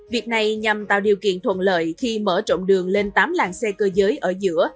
việc này nhằm tạo điều kiện thuận lợi khi mở trộn đường lên tám làng xe cơ giới ở giữa